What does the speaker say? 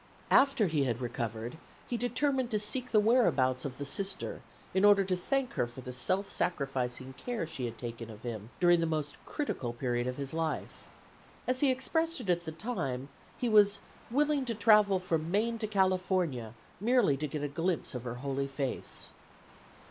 After he had recovered he determined to seek the whereabouts of the Sister in order to thank her for the self sacrificing care she had taken of him during the most critical period of his life. As he expressed it at the time, he was "willing to travel from Maine to California merely to get a glimpse of her holy face."